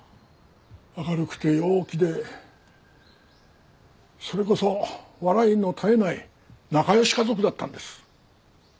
明るくて陽気でそれこそ笑いの絶えない仲良し家族だったんです。